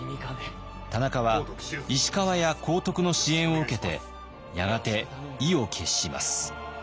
田中は石川や幸徳の支援を受けてやがて意を決します。